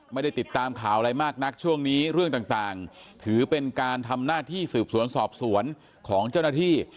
ไม่ได้ติดตามข่าวอะไรมากนักช่วงนี้เรื่องต่างถือเป็นการทำหน้าที่สืบสวนสอบสวนของเจ้าหน้าที่